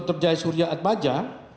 dr jai surya adbaja